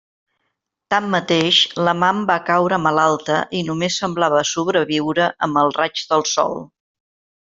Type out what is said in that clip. Tanmateix l'amant va caure malalta i només semblava sobreviure amb els raigs del sol.